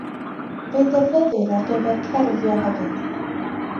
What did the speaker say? Fe'i defnyddir ar gyfer cerfio hefyd.